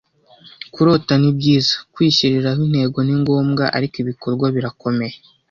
Kurota ni byiza, kwishyiriraho intego ni ngombwa, ariko ibikorwa birakomeye.